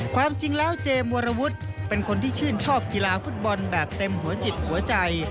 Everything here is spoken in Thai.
ความจริงแล้วเจมวรวุฒิเป็นคนที่ชื่นชอบกีฬาฟุตบอลแบบเต็มหัวจิตหัวใจ